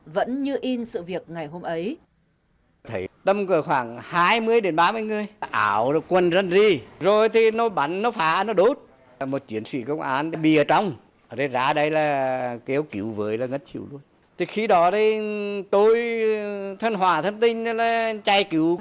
vẫn như in sự việc ngày hôm ấy